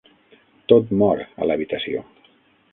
Tot mor a l'habitació.